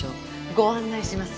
ご案内します。